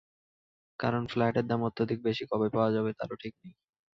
কারণ, ফ্ল্যাটের দাম অত্যধিক বেশি, কবে পাওয়া যাবে, তারও ঠিক নেই।